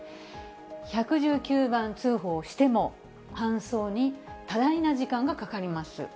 １１９番通報しても、搬送に多大な時間がかかります。